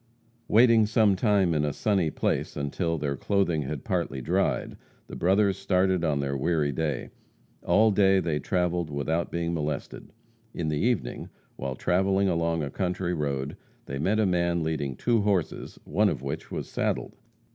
Waiting some time in a sunny place until their clothing had partly dried, the brothers started on their weary way. All day they travelled without being molested. In the evening, while travelling along a country road, they met a man leading two horses, one of which was saddled.